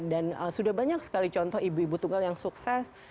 dan sudah banyak sekali contoh ibu ibu tunggal yang sukses